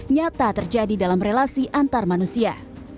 nyata terjadi dalam relasi antar manusia